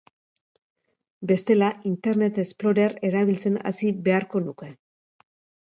Bestela, Internet Explorer erabiltzen hasi beharko nuke.